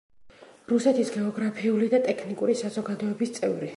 რუსეთის გეოგრაფიული და ტექნიკური საზოგადოების წევრი.